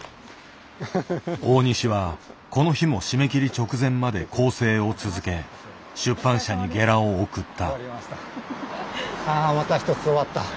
大西はこの日も締め切り直前まで校正を続け出版社にゲラを送った。